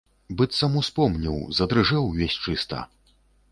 Быццам успомніў, задрыжэў увесь чыста.